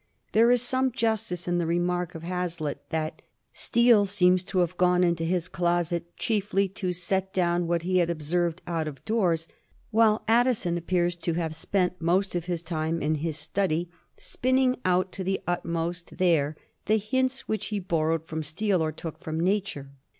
There is some justice in the remark of Hazlitt that * Steele seems to have gone into his closet chiefly to set down what he had observed out of doors ;' while Addison appears ' to have spent most of his time in his study,' spinning out to the utmost there the hints * which he borrowed from Steele or took from nature.'